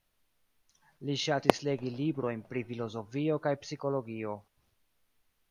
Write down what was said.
Li ŝatis legi librojn pri filozofio kaj psikologio.